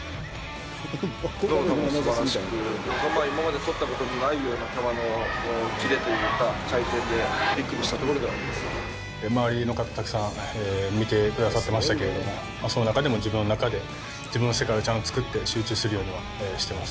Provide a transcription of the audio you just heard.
どの球もすばらしく、今まで捕ったことのないような球のキレというか、回転で、びっくりした周りの方たくさん、見てくださってましたけれども、その中でも自分の中で自分の世界をちゃんと作って集中するようにしてました。